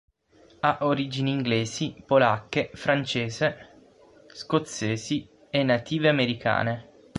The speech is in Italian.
Ha origini inglesi, polacche, francese, scozzesi e native americane.